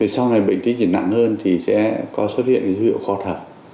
sau này bệnh tí diện nặng hơn thì sẽ có xuất hiện dữ liệu khó thở